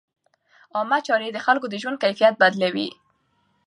عامه چارې د خلکو د ژوند کیفیت بدلوي.